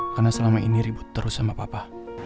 karena selama ini ribut terus sama papa